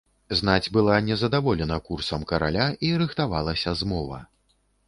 Знаць была незадаволена курсам караля, і рыхтавалася змова.